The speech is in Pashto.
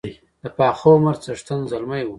د پاخه عمر څښتن زلمی وو.